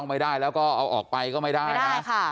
ไม่ได้แล้วก็เอาออกไปก็ไม่ได้นะ